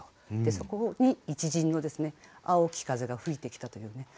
そこに一陣の青き風が吹いてきたというね。